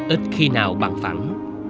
ít khi nào bằng phẳng